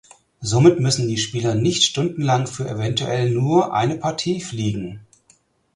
Somit müssen die Spieler nicht stundenlang für eventuell nur eine Partie fliegen.